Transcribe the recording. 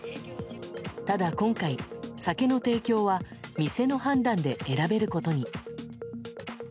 ただ今回、酒の提供は店の判断で選べることに。